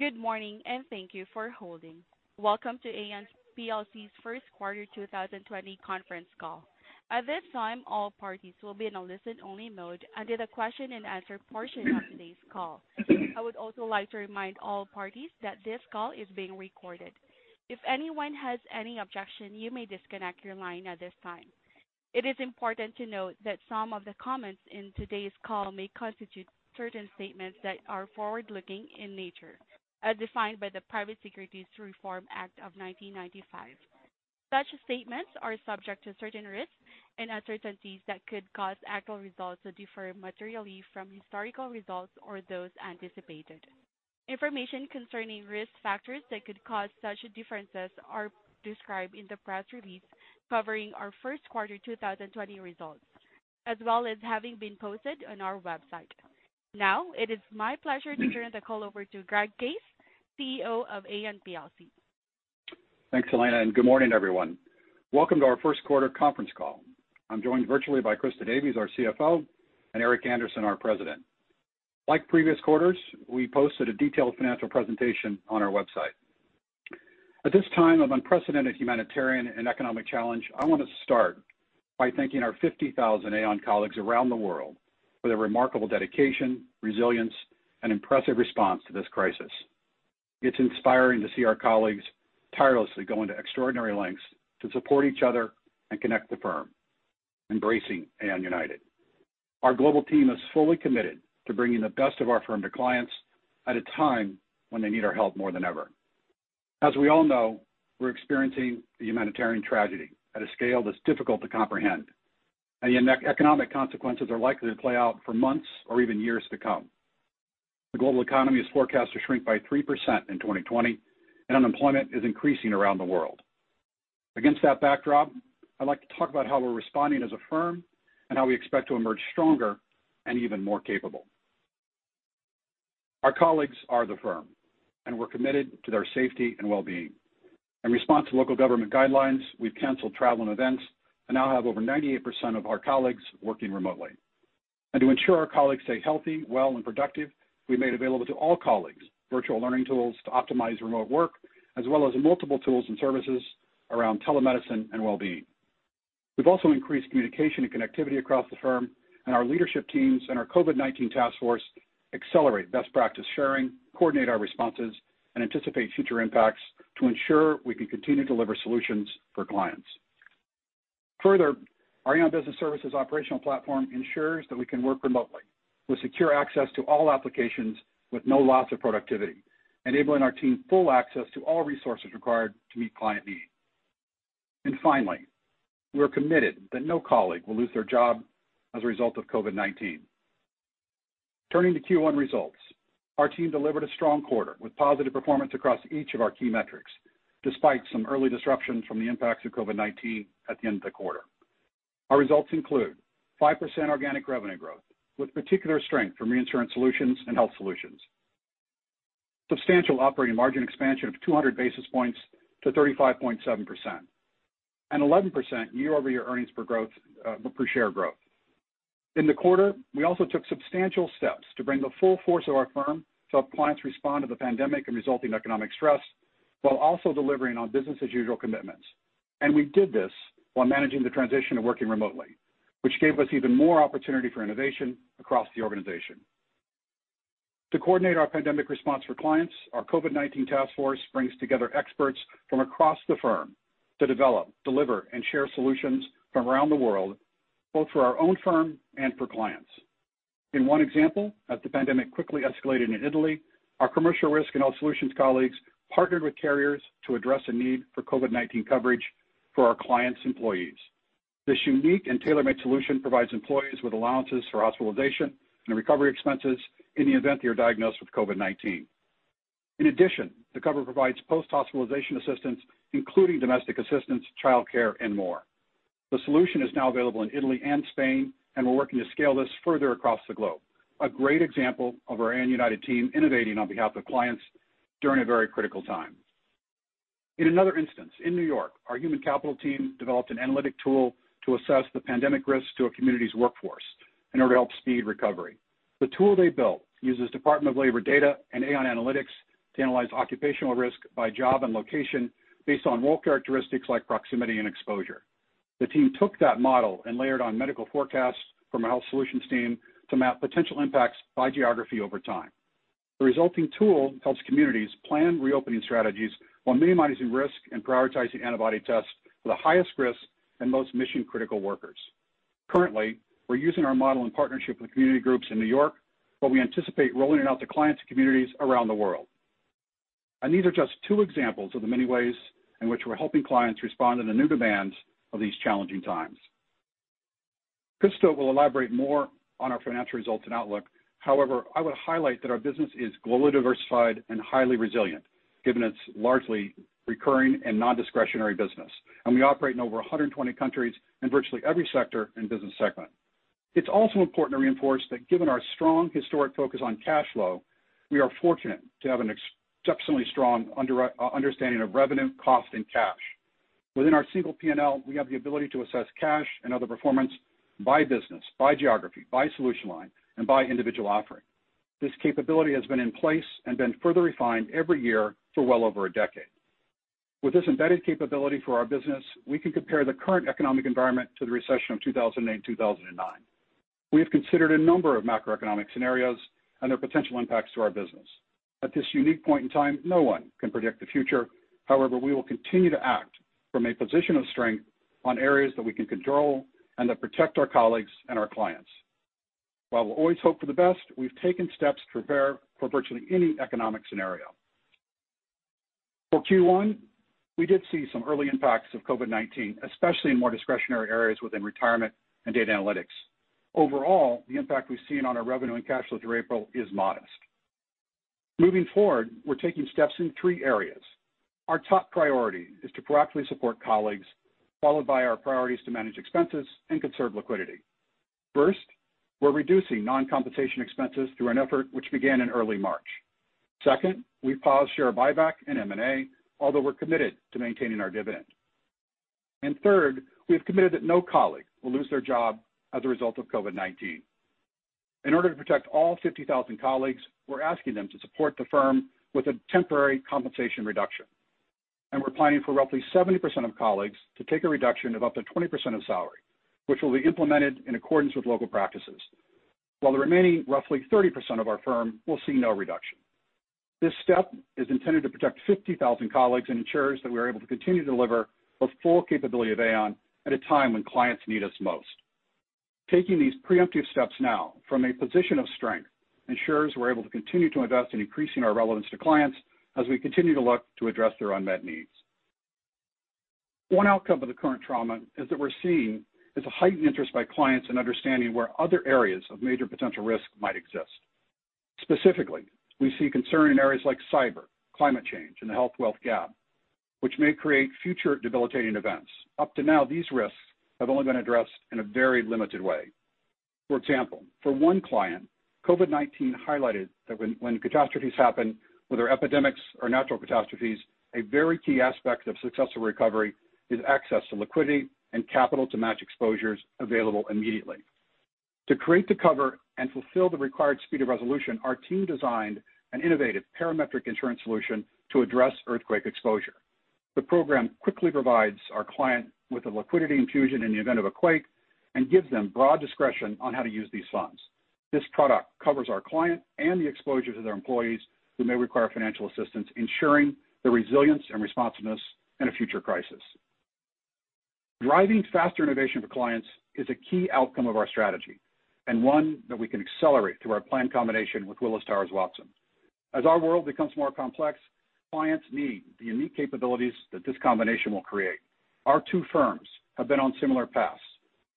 Good morning. Thank you for holding. Welcome to Aon PLC's first quarter 2020 conference call. At this time, all parties will be in a listen-only mode until the question and answer portion of today's call. I would also like to remind all parties that this call is being recorded. If anyone has any objection, you may disconnect your line at this time. It is important to note that some of the comments in today's call may constitute certain statements that are forward-looking in nature, as defined by the Private Securities Litigation Reform Act of 1995. Such statements are subject to certain risks and uncertainties that could cause actual results to differ materially from historical results or those anticipated. Information concerning risk factors that could cause such differences are described in the press release covering our first quarter 2020 results, as well as having been posted on our website. Now, it is my pleasure to turn the call over to Greg Case, CEO of Aon plc. Thanks, Elena. Good morning, everyone. Welcome to our first quarter conference call. I'm joined virtually by Christa Davies, our CFO, and Eric Andersen, our president. Like previous quarters, we posted a detailed financial presentation on our website. At this time of unprecedented humanitarian and economic challenge, I want to start by thanking our 50,000 Aon colleagues around the world for their remarkable dedication, resilience, and impressive response to this crisis. It's inspiring to see our colleagues tirelessly going to extraordinary lengths to support each other and connect the firm, embracing Aon United. Our global team is fully committed to bringing the best of our firm to clients at a time when they need our help more than ever. As we all know, we're experiencing a humanitarian tragedy at a scale that's difficult to comprehend, and the economic consequences are likely to play out for months or even years to come. The global economy is forecast to shrink by 3% in 2020, and unemployment is increasing around the world. Against that backdrop, I'd like to talk about how we're responding as a firm and how we expect to emerge stronger and even more capable. Our colleagues are the firm, and we're committed to their safety and well-being. In response to local government guidelines, we've canceled travel and events and now have over 98% of our colleagues working remotely. To ensure our colleagues stay healthy, well, and productive, we made available to all colleagues virtual learning tools to optimize remote work, as well as multiple tools and services around telemedicine and well-being. We've also increased communication and connectivity across the firm. Our leadership teams and our COVID-19 task force accelerate best practice sharing, coordinate our responses, and anticipate future impacts to ensure we can continue to deliver solutions for clients. Our Aon Business Services operational platform ensures that we can work remotely with secure access to all applications with no loss of productivity, enabling our team full access to all resources required to meet client needs. Finally, we're committed that no colleague will lose their job as a result of COVID-19. Turning to Q1 results, our team delivered a strong quarter with positive performance across each of our key metrics, despite some early disruptions from the impacts of COVID-19 at the end of the quarter. Our results include 5% organic revenue growth, with particular strength from Reinsurance Solutions and Health Solutions. Substantial operating margin expansion of 200 basis points to 35.7%, and 11% year-over-year earnings per share growth. In the quarter, we also took substantial steps to bring the full force of our firm to help clients respond to the pandemic and resulting economic stress while also delivering on business as usual commitments. We did this while managing the transition to working remotely, which gave us even more opportunity for innovation across the organization. To coordinate our pandemic response for clients, our COVID-19 task force brings together experts from across the firm to develop, deliver, and share solutions from around the world, both for our own firm and for clients. In one example, as the pandemic quickly escalated in Italy, our Commercial Risk and Health Solutions colleagues partnered with carriers to address a need for COVID-19 coverage for our clients' employees. This unique and tailor-made solution provides employees with allowances for hospitalization and recovery expenses in the event they are diagnosed with COVID-19. In addition, the cover provides post-hospitalization assistance, including domestic assistance, childcare, and more. The solution is now available in Italy and Spain, and we're working to scale this further across the globe. A great example of our Aon United team innovating on behalf of clients during a very critical time. In another instance, in New York, our human capital team developed an analytic tool to assess the pandemic risk to a community's workforce in order to help speed recovery. The tool they built uses Department of Labor data and Aon analytics to analyze occupational risk by job and location based on role characteristics like proximity and exposure. The team took that model and layered on medical forecasts from our Health Solutions team to map potential impacts by geography over time. The resulting tool helps communities plan reopening strategies while minimizing risk and prioritizing antibody tests for the highest risk and most mission-critical workers. Currently, we're using our model in partnership with community groups in New York, but we anticipate rolling it out to clients and communities around the world. These are just two examples of the many ways in which we're helping clients respond to the new demands of these challenging times. Christa will elaborate more on our financial results and outlook. However, I would highlight that our business is globally diversified and highly resilient, given its largely recurring and non-discretionary business. We operate in over 120 countries in virtually every sector and business segment. It's also important to reinforce that given our strong historic focus on cash flow, we are fortunate to have an exceptionally strong understanding of revenue, cost, and cash. Within our single P&L, we have the ability to assess cash and other performance by business, by geography, by solution line, and by individual offering. This capability has been in place and been further refined every year for well over a decade. With this embedded capability for our business, we can compare the current economic environment to the recession of 2008, 2009. We have considered a number of macroeconomic scenarios and their potential impacts to our business. At this unique point in time, no one can predict the future. We will continue to act from a position of strength on areas that we can control and that protect our colleagues and our clients. While we'll always hope for the best, we've taken steps to prepare for virtually any economic scenario. For Q1, we did see some early impacts of COVID-19, especially in more discretionary areas within Retirement Solutions and Data & Analytic Services. Overall, the impact we've seen on our revenue and cash flow through April is modest. Moving forward, we're taking steps in three areas. Our top priority is to proactively support colleagues, followed by our priorities to manage expenses and conserve liquidity. First, we're reducing non-compensation expenses through an effort which began in early March. Second, we've paused share buyback and M&A, although we're committed to maintaining our dividend. Third, we have committed that no colleague will lose their job as a result of COVID-19. In order to protect all 50,000 colleagues, we're asking them to support the firm with a temporary compensation reduction, and we're planning for roughly 70% of colleagues to take a reduction of up to 20% of salary, which will be implemented in accordance with local practices. While the remaining roughly 30% of our firm will see no reduction. This step is intended to protect 50,000 colleagues and ensures that we are able to continue to deliver the full capability of Aon at a time when clients need us most. Taking these preemptive steps now from a position of strength ensures we're able to continue to invest in increasing our relevance to clients as we continue to look to address their unmet needs. One outcome of the current trauma is that we're seeing is a heightened interest by clients in understanding where other areas of major potential risk might exist. Specifically, we see concern in areas like cyber, climate change, and the health-wealth gap, which may create future debilitating events. Up to now, these risks have only been addressed in a very limited way. For example, for one client, COVID-19 highlighted that when catastrophes happen, whether epidemics or natural catastrophes, a very key aspect of successful recovery is access to liquidity and capital to match exposures available immediately. To create the cover and fulfill the required speed of resolution, our team designed an innovative parametric insurance solution to address earthquake exposure. The program quickly provides our client with a liquidity infusion in the event of a quake and gives them broad discretion on how to use these funds. This product covers our client and the exposure to their employees who may require financial assistance, ensuring the resilience and responsiveness in a future crisis. Driving faster innovation for clients is a key outcome of our strategy and one that we can accelerate through our planned combination with Willis Towers Watson. As our world becomes more complex, clients need the unique capabilities that this combination will create. Our two firms have been on similar paths,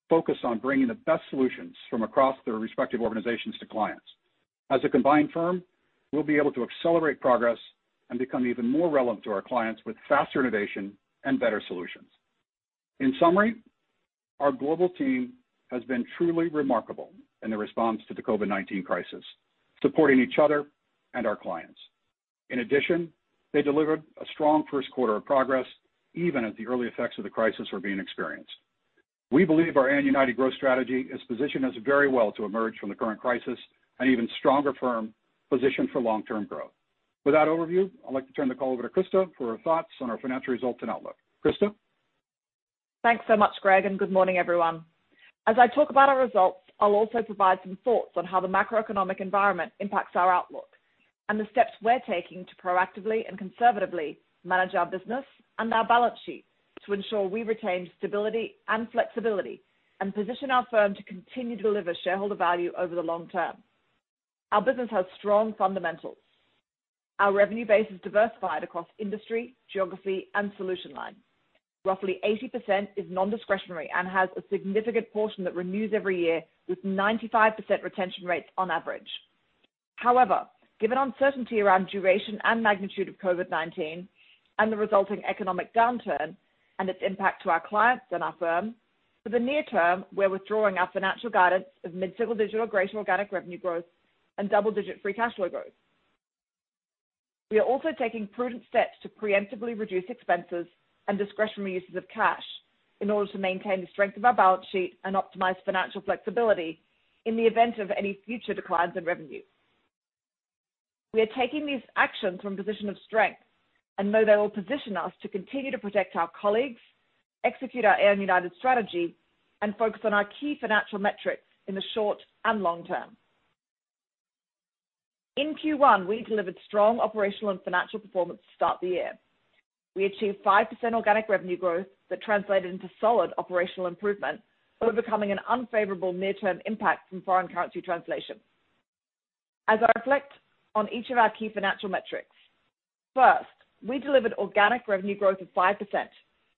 focused on bringing the best solutions from across their respective organizations to clients. As a combined firm, we'll be able to accelerate progress and become even more relevant to our clients with faster innovation and better solutions. In summary, our global team has been truly remarkable in the response to the COVID-19 crisis, supporting each other and our clients. In addition, they delivered a strong first quarter of progress, even as the early effects of the crisis were being experienced. We believe our Aon United growth strategy has positioned us very well to emerge from the current crisis an even stronger firm positioned for long-term growth. With that overview, I'd like to turn the call over to Christa for her thoughts on our financial results and outlook. Christa? Thanks so much, Greg, and good morning, everyone. As I talk about our results, I'll also provide some thoughts on how the macroeconomic environment impacts our outlook and the steps we're taking to proactively and conservatively manage our business and our balance sheet to ensure we retain stability and flexibility and position our firm to continue to deliver shareholder value over the long term. Our business has strong fundamentals. Our revenue base is diversified across industry, geography, and solution line. Roughly 80% is non-discretionary and has a significant portion that renews every year with 95% retention rates on average. However, given uncertainty around duration and magnitude of COVID-19 and the resulting economic downturn and its impact to our clients and our firm, for the near term, we're withdrawing our financial guidance of mid-single digit organic revenue growth and double-digit free cash flow growth. We are also taking prudent steps to preemptively reduce expenses and discretionary uses of cash in order to maintain the strength of our balance sheet and optimize financial flexibility in the event of any future declines in revenue. We are taking these actions from a position of strength and know they will position us to continue to protect our colleagues, execute our Aon United strategy, and focus on our key financial metrics in the short and long term. In Q1, we delivered strong operational and financial performance to start the year. We achieved 5% organic revenue growth that translated into solid operational improvement, overcoming an unfavorable near-term impact from foreign currency translation. As I reflect on each of our key financial metrics, first, we delivered organic revenue growth of 5%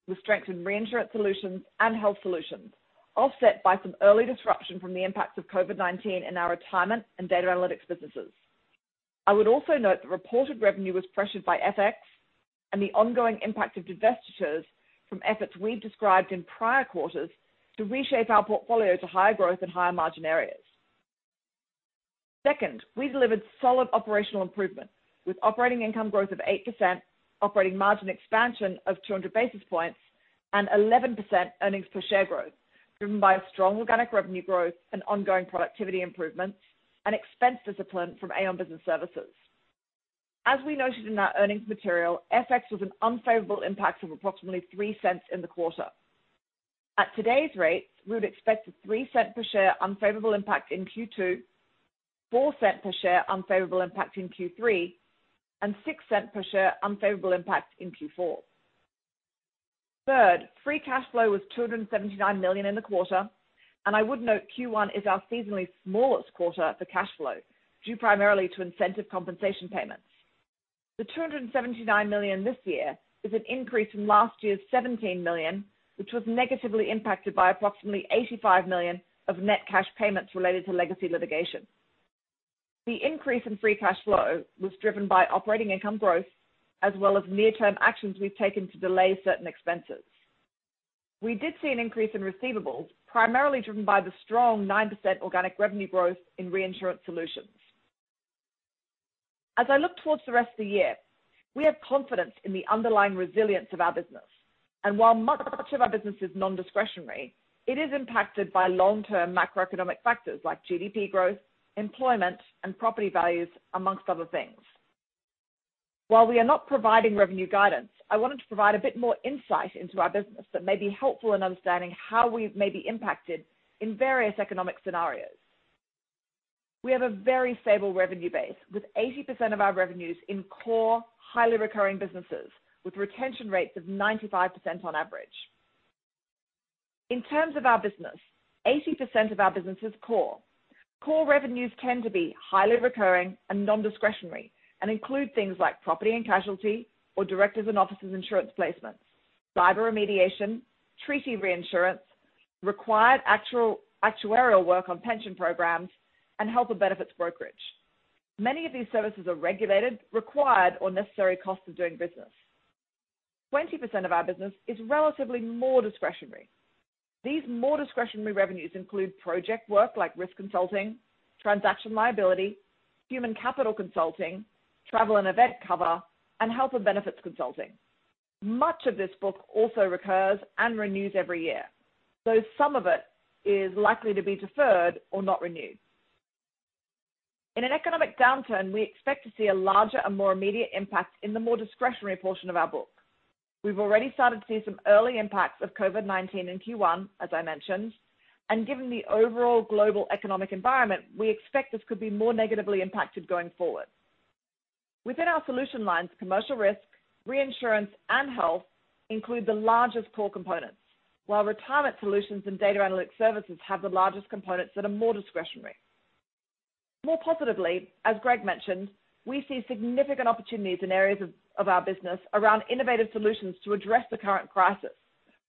with strength in Reinsurance Solutions and Health Solutions, offset by some early disruption from the impacts of COVID-19 in our Retirement Solutions and Data & Analytic Services businesses. I would also note that reported revenue was pressured by FX and the ongoing impact of divestitures from efforts we've described in prior quarters to reshape our portfolio to higher growth and higher margin areas. Second, we delivered solid operational improvement with operating income growth of 8%, operating margin expansion of 200 basis points, and 11% earnings per share growth driven by a strong organic revenue growth and ongoing productivity improvements and expense discipline from Aon Business Services. As we noted in our earnings material, FX was an unfavorable impact of approximately $0.03 in the quarter. At today's rates, we would expect a $0.03 per share unfavorable impact in Q2, $0.04 per share unfavorable impact in Q3, and $0.06 per share unfavorable impact in Q4. Third, free cash flow was $279 million in the quarter, and I would note Q1 is our seasonally smallest quarter for cash flow, due primarily to incentive compensation payments. The $279 million this year is an increase from last year's $17 million, which was negatively impacted by approximately $85 million of net cash payments related to legacy litigation. The increase in free cash flow was driven by operating income growth, as well as near-term actions we've taken to delay certain expenses. We did see an increase in receivables, primarily driven by the strong 9% organic revenue growth in Reinsurance Solutions. As I look towards the rest of the year, we have confidence in the underlying resilience of our business, and while much of our business is non-discretionary, it is impacted by long-term macroeconomic factors like GDP growth, employment, and property values, amongst other things. While we are not providing revenue guidance, I wanted to provide a bit more insight into our business that may be helpful in understanding how we may be impacted in various economic scenarios. We have a very stable revenue base with 80% of our revenues in core, highly recurring businesses with retention rates of 95% on average. In terms of our business, 80% of our business is core. Core revenues tend to be highly recurring and non-discretionary and include things like property and casualty or directors and officers insurance placements, cyber remediation, treaty reinsurance, required actuarial work on pension programs, and health and benefits brokerage. Many of these services are regulated, required, or necessary costs of doing business. 20% of our business is relatively more discretionary. These more discretionary revenues include project work like risk consulting, transaction liability, human capital consulting, travel and event cover, and health and benefits consulting. Much of this book also recurs and renews every year, though some of it is likely to be deferred or not renewed. In an economic downturn, we expect to see a larger and more immediate impact in the more discretionary portion of our book. We've already started to see some early impacts of COVID-19 in Q1, as I mentioned, and given the overall global economic environment, we expect this could be more negatively impacted going forward. Within our solution lines, Commercial Risk, Reinsurance, and Health include the largest core components. While Retirement Solutions and Data & Analytic Services have the largest components that are more discretionary. More positively, as Greg mentioned, we see significant opportunities in areas of our business around innovative solutions to address the current crisis.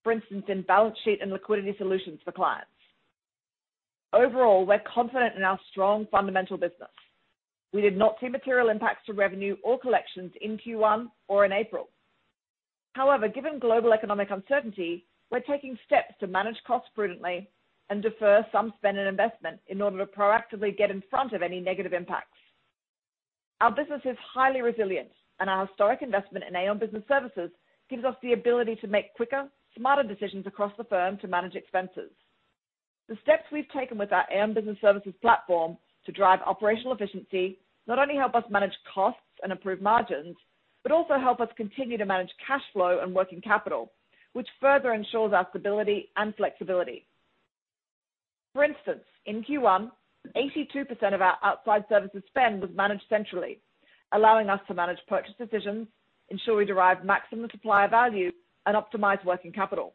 For instance, in balance sheet and liquidity solutions for clients. Overall, we're confident in our strong fundamental business. We did not see material impacts to revenue or collections in Q1 or in April. However, given global economic uncertainty, we're taking steps to manage costs prudently and defer some spend and investment in order to proactively get in front of any negative impacts. Our business is highly resilient and our historic investment in Aon Business Services gives us the ability to make quicker, smarter decisions across the firm to manage expenses. The steps we've taken with our Aon Business Services platform to drive operational efficiency not only help us manage costs and improve margins, but also help us continue to manage cash flow and working capital, which further ensures our stability and flexibility. For instance, in Q1, 82% of our outside services spend was managed centrally, allowing us to manage purchase decisions, ensure we derive maximum supplier value, and optimize working capital.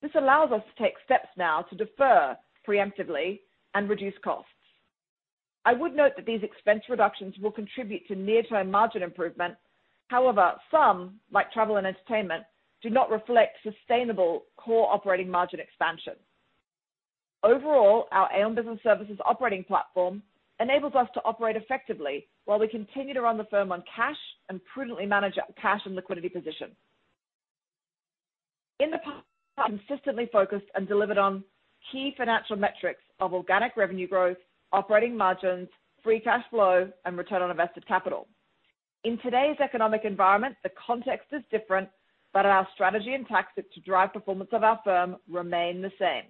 This allows us to take steps now to defer preemptively and reduce costs. I would note that these expense reductions will contribute to near-term margin improvement. However, some, like travel and entertainment, do not reflect sustainable core operating margin expansion. Overall, our Aon Business Services operating platform enables us to operate effectively while we continue to run the firm on cash and prudently manage our cash and liquidity position. In the consistently focused and delivered on key financial metrics of organic revenue growth, operating margins, free cash flow, and return on invested capital. In today's economic environment, the context is different, but our strategy and tactics to drive performance of our firm remain the same.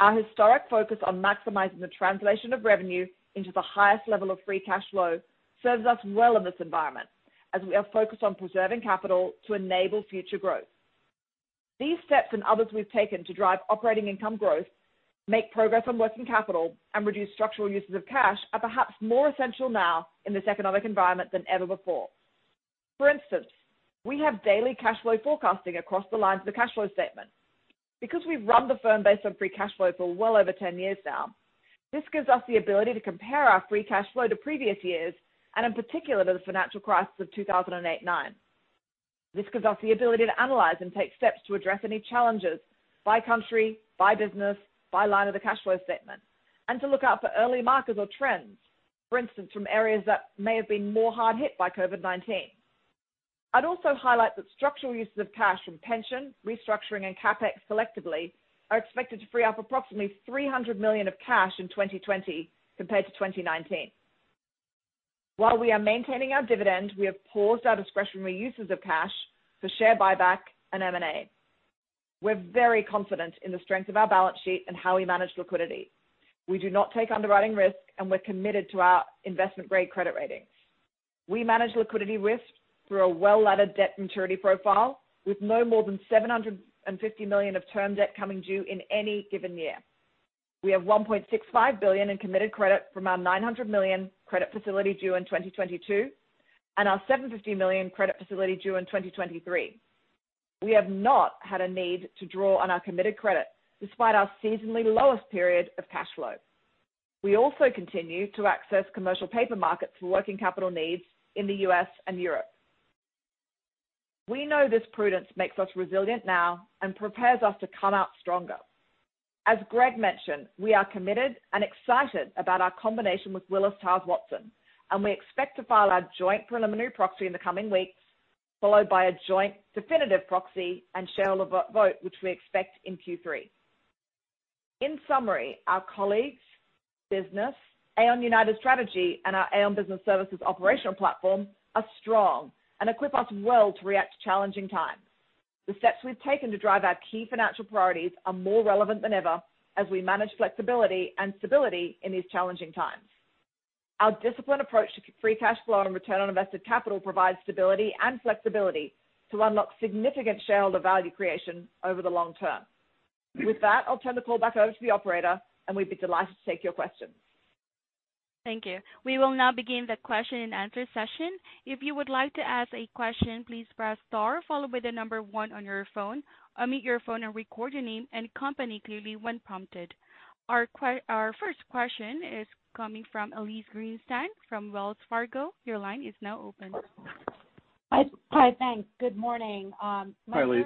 Our historic focus on maximizing the translation of revenue into the highest level of free cash flow serves us well in this environment as we are focused on preserving capital to enable future growth. These steps and others we've taken to drive operating income growth, make progress on working capital, and reduce structural uses of cash are perhaps more essential now in this economic environment than ever before. For instance, we have daily cash flow forecasting across the lines of the cash flow statement. We've run the firm based on free cash flow for well over 10 years now, this gives us the ability to compare our free cash flow to previous years and in particular to the financial crisis of 2008 and 2009. This gives us the ability to analyze and take steps to address any challenges by country, by business, by line of the cash flow statement, and to look out for early markers or trends. For instance, from areas that may have been more hard hit by COVID-19. I'd also highlight that structural uses of cash from pension, restructuring, and CapEx selectively are expected to free up approximately $300 million of cash in 2020 compared to 2019. While we are maintaining our dividend, we have paused our discretionary uses of cash for share buyback and M&A. We're very confident in the strength of our balance sheet and how we manage liquidity. We do not take underwriting risk, and we're committed to our investment-grade credit ratings. We manage liquidity risk through a well-laddered debt maturity profile with no more than $750 million of term debt coming due in any given year. We have $1.65 billion in committed credit from our $900 million credit facility due in 2022 and our $750 million credit facility due in 2023. We have not had a need to draw on our committed credit despite our seasonally lowest period of cash flow. We also continue to access commercial paper markets for working capital needs in the U.S. and Europe. We know this prudence makes us resilient now and prepares us to come out stronger. As Greg mentioned, we are committed and excited about our combination with Willis Towers Watson, and we expect to file our joint preliminary proxy in the coming weeks, followed by a joint definitive proxy and shareholder vote, which we expect in Q3. In summary, our colleagues, business, Aon United Strategy, and our Aon Business Services operational platform are strong and equip us well to react to challenging times. The steps we've taken to drive our key financial priorities are more relevant than ever as we manage flexibility and stability in these challenging times. Our disciplined approach to free cash flow and return on invested capital provides stability and flexibility to unlock significant shareholder value creation over the long term. With that, I'll turn the call back over to the operator, and we'd be delighted to take your questions. Thank you. We will now begin the question and answer session. If you would like to ask a question, please press Star, followed by the number one on your phone. Unmute your phone and record your name and company clearly when prompted. Our first question is coming from Elyse Greenspan from Wells Fargo. Your line is now open. Hi. Thanks. Good morning. Hi, Elyse.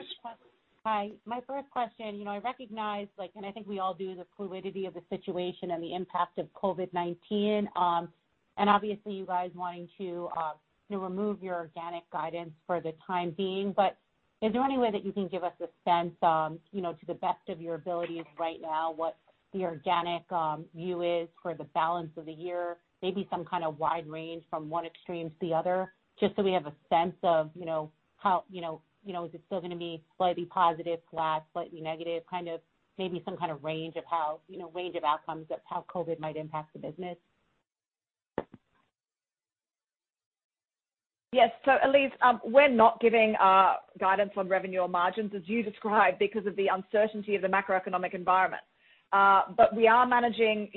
Hi. My first question, I recognize, and I think we all do, the fluidity of the situation and the impact of COVID-19. Obviously you guys wanting to remove your organic guidance for the time being, but is there any way that you can give us a sense, to the best of your abilities right now, what the organic view is for the balance of the year? Maybe some kind of wide range from one extreme to the other, just so we have a sense of is it still going to be slightly positive, flat, slightly negative. Maybe some kind of range of outcomes of how COVID might impact the business. Yes. Elyse, we're not giving guidance on revenue or margins as you described because of the uncertainty of the macroeconomic environment. We are managing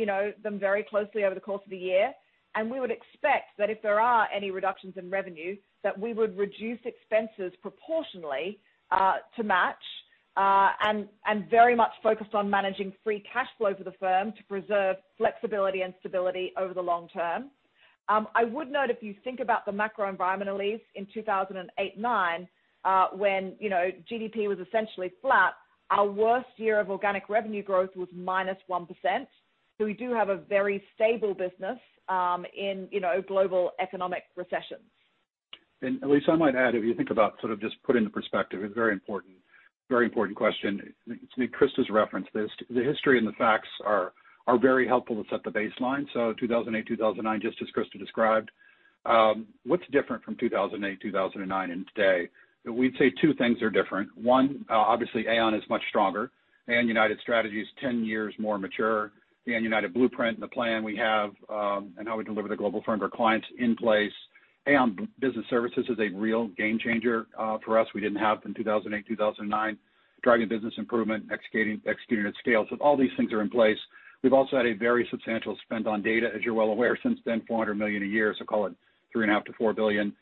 them very closely over the course of the year, and we would expect that if there are any reductions in revenue, that we would reduce expenses proportionally to match, and very much focused on managing free cash flow for the firm to preserve flexibility and stability over the long term. I would note, if you think about the macro environment, Elyse, in 2008 and 2009, when GDP was essentially flat, our worst year of organic revenue growth was -1%. We do have a very stable business in global economic recessions. Elyse, I might add, if you think about just put into perspective, it's a very important question. Christa's referenced this. The history and the facts are very helpful to set the baseline. 2008, 2009, just as Christa described. What's different from 2008, 2009 and today? We'd say two things are different. One, obviously Aon is much stronger. Aon United Strategy is 10 years more mature. The Aon United Blueprint and the plan we have, and how we deliver the global firm to our clients in place. Aon Business Services is a real game changer for us. We didn't have it in 2008, 2009. Driving business improvement, executing at scale. All these things are in place. We've also had a very substantial spend on data, as you're well aware, since then, $400 million a year. Call it $3.5 billion-$4 billion.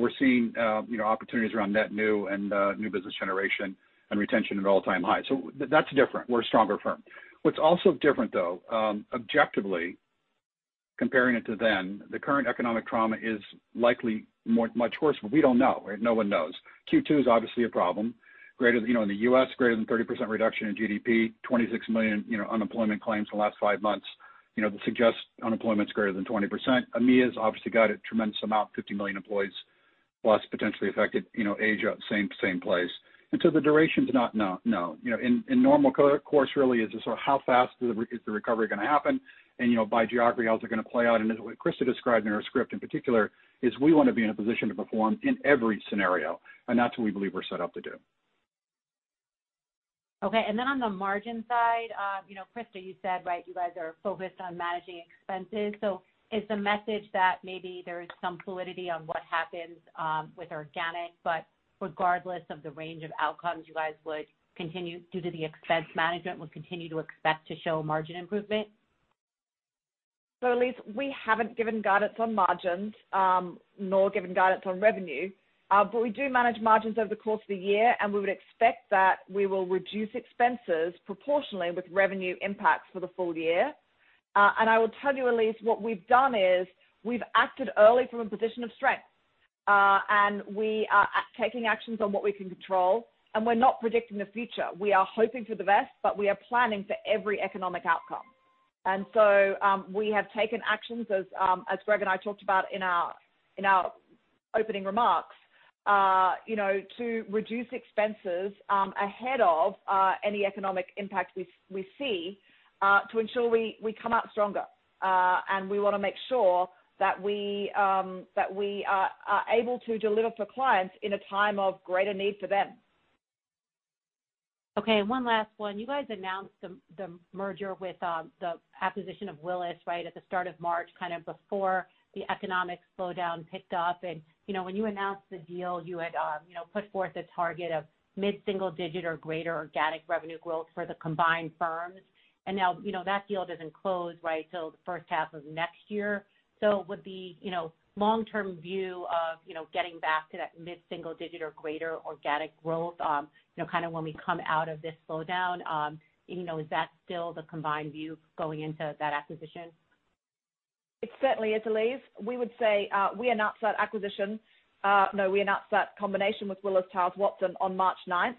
We're seeing opportunities around net new and new business generation and retention at all-time highs. That's different. We're a stronger firm. What's also different, though, objectively comparing it to then, the current economic trauma is likely much worse. We don't know, right? No one knows. Q2 is obviously a problem. In the U.S., greater than 30% reduction in GDP. 26 million unemployment claims in the last five months suggest unemployment is greater than 20%. EMEA's obviously got a tremendous amount, 50+ million employees potentially affected. Asia, same place. The duration do not know. In normal course, really is just how fast is the recovery going to happen? By geography, how is it going to play out? As Christa described in her script in particular, we want to be in a position to perform in every scenario, and that's what we believe we're set up to do. Okay. On the margin side, Christa, you said you guys are focused on managing expenses. Is the message that maybe there is some fluidity on what happens with organic, but regardless of the range of outcomes you guys would continue due to the expense management, would continue to expect to show margin improvement? Elyse, we haven't given guidance on margins, nor given guidance on revenue. We do manage margins over the course of the year, and we would expect that we will reduce expenses proportionally with revenue impacts for the full year. I will tell you, Elyse, what we've done is we've acted early from a position of strength. We are taking actions on what we can control, and we're not predicting the future. We are hoping for the best, but we are planning for every economic outcome. We have taken actions as Greg and I talked about in our opening remarks to reduce expenses ahead of any economic impact we see to ensure we come out stronger. We want to make sure that we are able to deliver for clients in a time of greater need for them. Okay, one last one. You guys announced the merger with the acquisition of Willis at the start of March, before the economic slowdown picked up. When you announced the deal, you had put forth a target of mid-single digit or greater organic revenue growth for the combined firms. Now that deal doesn't close till the first half of next year. Would the long-term view of getting back to that mid-single digit or greater organic growth when we come out of this slowdown, is that still the combined view going into that acquisition? It certainly is, Elyse. We announced that combination with Willis Towers Watson on March 9th.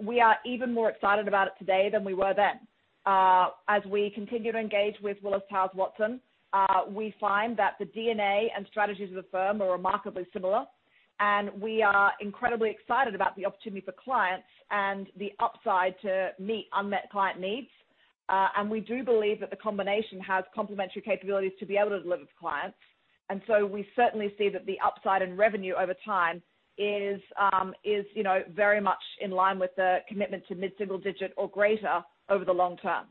We are even more excited about it today than we were then. As we continue to engage with Willis Towers Watson, we find that the DNA and strategies of the firm are remarkably similar. We are incredibly excited about the opportunity for clients and the upside to meet unmet client needs. We do believe that the combination has complementary capabilities to be able to deliver to clients. We certainly see that the upside in revenue over time is very much in line with the commitment to mid-single digit or greater over the long term.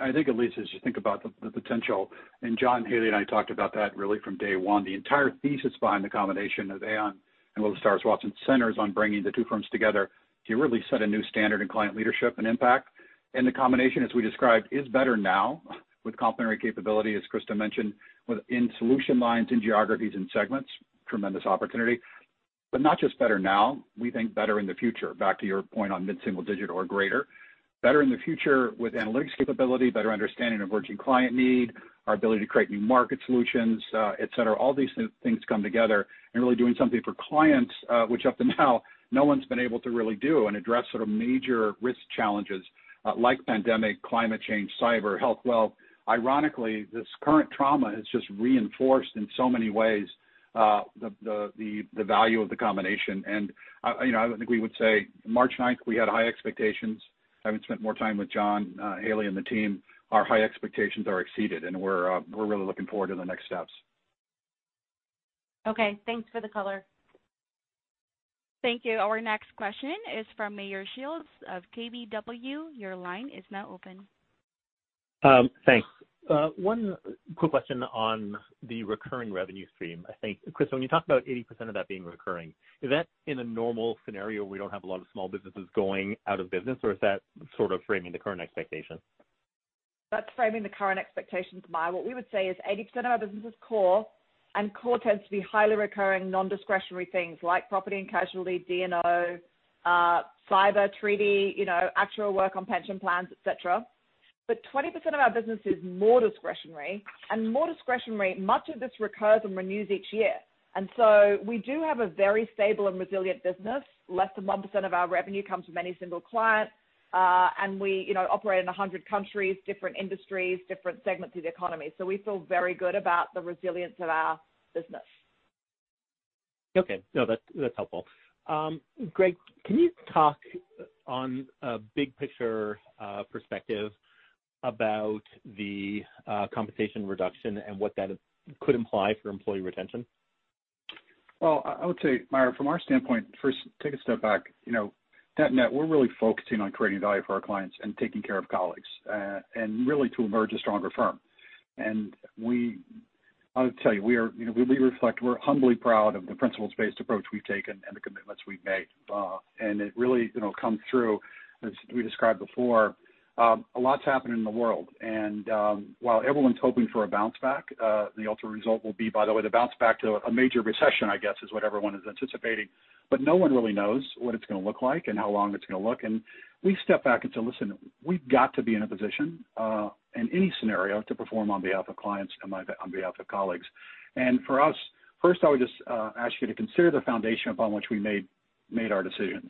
I think, Elyse, as you think about the potential, John Haley and I talked about that really from day one, the entire thesis behind the combination of Aon and Willis Towers Watson centers on bringing the two firms together to really set a new standard in client leadership and impact. The combination, as we described, is better now with complementary capability, as Christa mentioned, in solution lines, in geographies and segments, tremendous opportunity. Not just better now, we think better in the future. Back to your point on mid-single digit or greater. Better in the future with analytics capability, better understanding of emerging client need, our ability to create new market solutions, et cetera. All these things come together and really doing something for clients, which up until now, no one's been able to really do and address major risk challenges like pandemic, climate change, cyber health. Ironically, this current trauma has just reinforced in so many ways the value of the combination. I think we would say March ninth, we had high expectations. Having spent more time with John Haley and the team, our high expectations are exceeded and we're really looking forward to the next steps. Okay, thanks for the color. Thank you. Our next question is from Meyer Shields of KBW. Your line is now open. Thanks. One quick question on the recurring revenue stream. I think, Christa, when you talk about 80% of that being recurring, is that in a normal scenario where we don't have a lot of small businesses going out of business or is that framing the current expectation? That's framing the current expectations, Meyer. What we would say is 80% of our business is core. Core tends to be highly recurring, non-discretionary things like property and casualty, D&O, cyber treaty, actual work on pension plans, et cetera. 20% of our business is more discretionary. More discretionary, much of this recurs and renews each year. We do have a very stable and resilient business. Less than 1% of our revenue comes from any single client. We operate in 100 countries, different industries, different segments of the economy. We feel very good about the resilience of our business. Okay. No, that's helpful. Greg, can you talk on a big picture perspective about the compensation reduction and what that could imply for employee retention? I would say, Meyer, from our standpoint, first take a step back. Net net, we're really focusing on creating value for our clients and taking care of colleagues, and really to emerge a stronger firm. I would tell you, we reflect we're humbly proud of the principles-based approach we've taken and the commitments we've made. It really comes through, as we described before. A lot's happening in the world. While everyone's hoping for a bounce back, the ultimate result will be, by the way, the bounce back to a major recession, I guess, is what everyone is anticipating. No one really knows what it's going to look like and how long it's going to look. We step back and say, "Listen, we've got to be in a position, in any scenario, to perform on behalf of clients and on behalf of colleagues." For us, first, I would just ask you to consider the foundation upon which we made our decisions.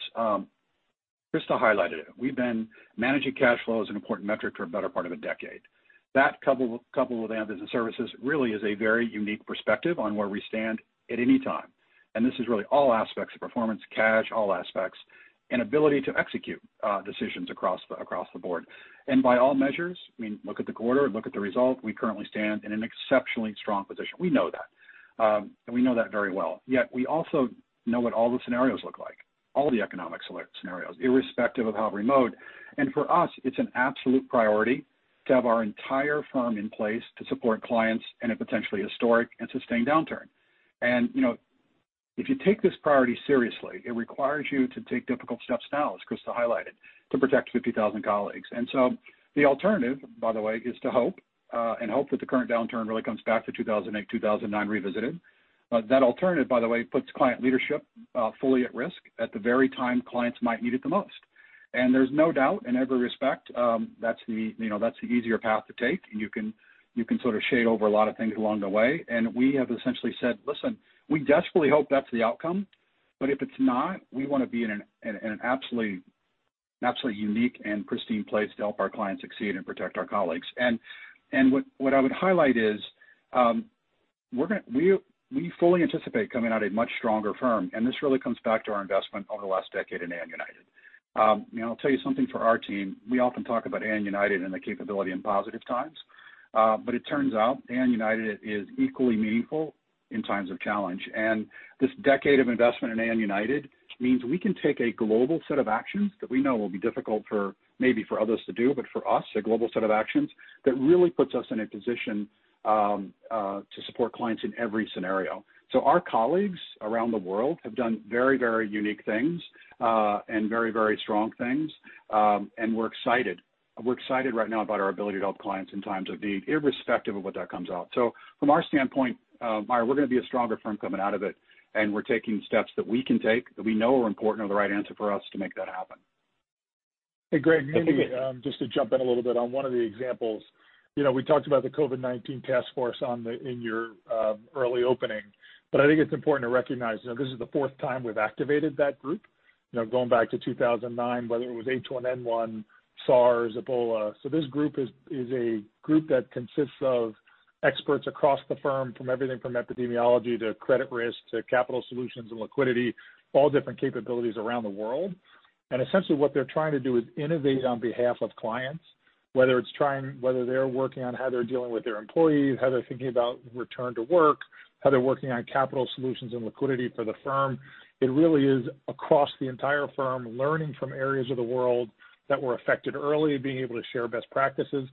Christa highlighted it. We've been managing cash flow as an important metric for a better part of a decade. That, coupled with Aon Business Services, really is a very unique perspective on where we stand at any time. This is really all aspects of performance, cash, all aspects, and ability to execute decisions across the board. By all measures, look at the quarter and look at the result, we currently stand in an exceptionally strong position. We know that. We know that very well. Yet we also know what all the scenarios look like, all the economic scenarios, irrespective of how remote. For us, it's an absolute priority to have our entire firm in place to support clients in a potentially historic and sustained downturn. If you take this priority seriously, it requires you to take difficult steps now, as Christa highlighted, to protect 50,000 colleagues. The alternative, by the way, is to hope, and hope that the current downturn really comes back to 2008, 2009 revisited. That alternative, by the way, puts client leadership fully at risk at the very time clients might need it the most. There's no doubt in every respect, that's the easier path to take. You can shade over a lot of things along the way. We have essentially said, "Listen, we desperately hope that's the outcome." If it's not, we want to be in an absolutely unique and pristine place to help our clients succeed and protect our colleagues. What I would highlight is, we fully anticipate coming out a much stronger firm, and this really comes back to our investment over the last decade in Aon United. I'll tell you something for our team, we often talk about Aon United and the capability in positive times. It turns out Aon United is equally meaningful in times of challenge. This decade of investment in Aon United means we can take a global set of actions that we know will be difficult maybe for others to do, but for us, a global set of actions that really puts us in a position to support clients in every scenario. Our colleagues around the world have done very unique things, and very strong things. We're excited. We're excited right now about our ability to help clients in times of need, irrespective of what that comes out. From our standpoint, Meyer, we're going to be a stronger firm coming out of it, and we're taking steps that we can take that we know are important or the right answer for us to make that happen. Hey, Greg, maybe just to jump in a little bit on one of the examples. We talked about the COVID-19 task force in your early opening, but I think it's important to recognize, this is the fourth time we've activated that group, going back to 2009, whether it was H1N1, SARS, Ebola. This group is a group that consists of experts across the firm, from everything from epidemiology to credit risk to capital solutions and liquidity, all different capabilities around the world. Essentially what they're trying to do is innovate on behalf of clients, whether they're working on how they're dealing with their employees, how they're thinking about return to work, how they're working on capital solutions and liquidity for the firm. It really is across the entire firm, learning from areas of the world that were affected early, being able to share best practices.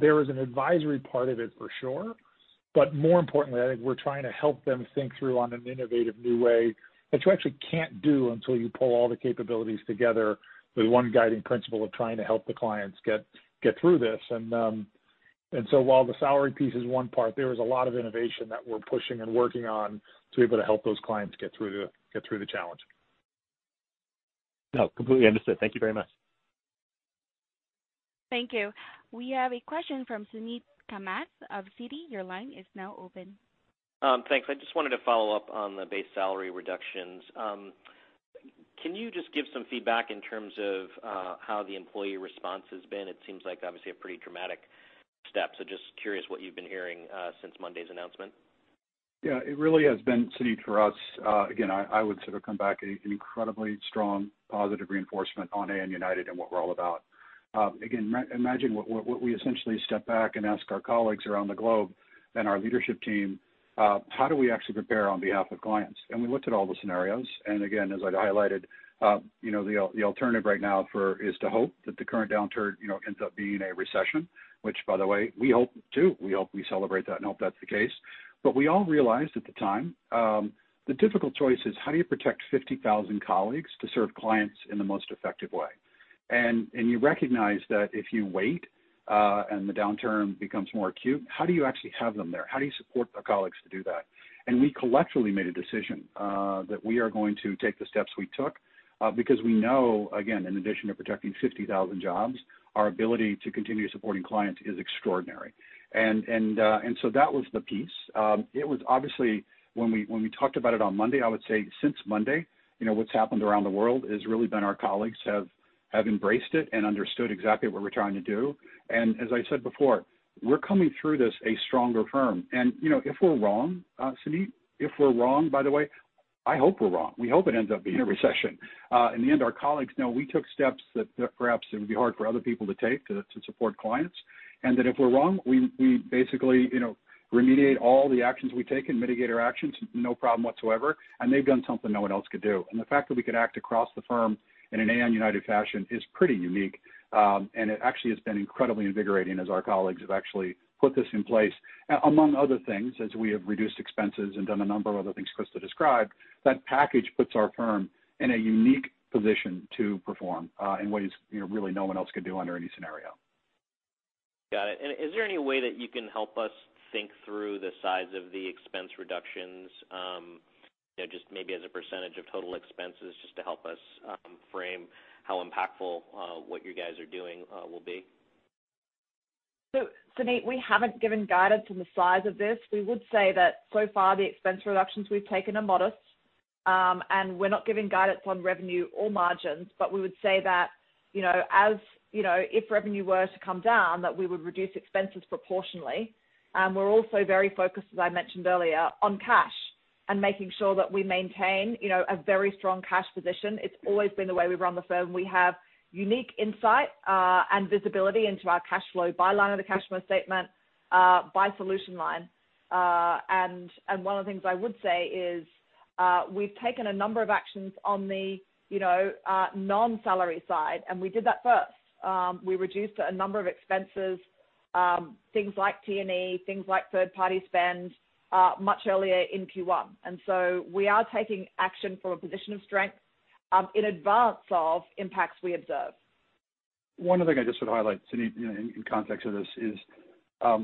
There is an advisory part of it for sure. More importantly, I think we're trying to help them think through on an innovative new way, which you actually can't do until you pull all the capabilities together with one guiding principle of trying to help the clients get through this. While the salary piece is one part, there is a lot of innovation that we're pushing and working on to be able to help those clients get through the challenge. No, completely understood. Thank you very much. Thank you. We have a question from Suneet Kamath of Citi. Your line is now open. Thanks. I just wanted to follow up on the base salary reductions. Can you just give some feedback in terms of how the employee response has been? It seems like obviously a pretty dramatic step. Just curious what you've been hearing since Monday's announcement. Yeah, it really has been, Suneet, for us. Again, I would sort of come back, an incredibly strong, positive reinforcement on Aon United and what we're all about. Again, imagine what we essentially step back and ask our colleagues around the globe and our leadership team, how do we actually prepare on behalf of clients? We looked at all the scenarios. Again, as I highlighted, the alternative right now is to hope that the current downturn ends up being a recession, which by the way, we hope too. We hope we celebrate that and hope that's the case. We all realized at the time, the difficult choice is how do you protect 50,000 colleagues to serve clients in the most effective way? You recognize that if you wait, and the downturn becomes more acute, how do you actually have them there? How do you support the colleagues to do that? We collectively made a decision that we are going to take the steps we took because we know, again, in addition to protecting 50,000 jobs, our ability to continue supporting clients is extraordinary. That was the piece. It was obviously when we talked about it on Monday, I would say since Monday, what's happened around the world has really been our colleagues have embraced it and understood exactly what we're trying to do. As I said before, we're coming through this a stronger firm. If we're wrong, Suneet, if we're wrong, by the way, I hope we're wrong. We hope it ends up being a recession. In the end, our colleagues know we took steps that perhaps it would be hard for other people to take to support clients. That if we're wrong, we basically remediate all the actions we take and mitigate our actions, no problem whatsoever, and they've done something no one else could do. The fact that we could act across the firm in an Aon United fashion is pretty unique. It actually has been incredibly invigorating as our colleagues have actually put this in place. Among other things, as we have reduced expenses and done a number of other things Christa described, that package puts our firm in a unique position to perform in ways really no one else could do under any scenario. Got it. Is there any way that you can help us think through the size of the expense reductions, just maybe as a % of total expenses, just to help us frame how impactful what you guys are doing will be? Suneet, we haven't given guidance on the size of this. We would say that so far, the expense reductions we've taken are modest. We're not giving guidance on revenue or margins, but we would say that if revenue were to come down, that we would reduce expenses proportionally. We're also very focused, as I mentioned earlier, on cash and making sure that we maintain a very strong cash position. It's always been the way we've run the firm. We have unique insight and visibility into our cash flow by line of the cash flow statement, by solution line. One of the things I would say is, we've taken a number of actions on the non-salary side, and we did that first. We reduced a number of expenses, things like T&E, things like third-party spend, much earlier in Q1. We are taking action from a position of strength in advance of impacts we observe. One other thing I just would highlight, Suneet, in context of this is, as